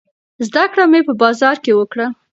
زده کړه مې په بازار کې وکړه.